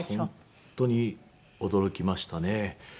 本当に驚きましたね。